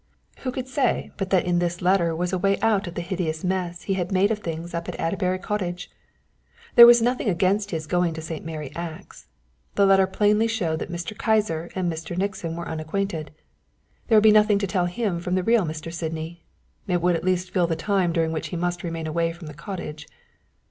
Who could say but that in this letter was a way out of the hideous mess he had made of things up at Adderbury Cottage? There was nothing against his going to St. Mary Axe. The letter plainly showed that Mr. Kyser and Mr. Nixon were unacquainted. There would be nothing to tell him from the real Mr. Sydney. It would at least fill in the time during which he must remain away from the cottage.